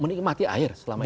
menikmati air selama ini